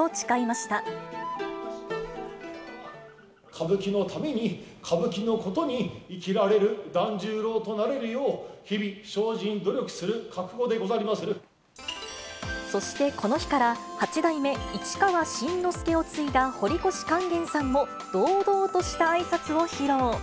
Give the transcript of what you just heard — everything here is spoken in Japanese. ま歌舞伎のために、歌舞伎のことに生きられる團十郎となれるよう、日々精進、そしてこの日から、八代目市川新之助を継いだ堀越勸玄さんも、堂々としたあいさつを披露。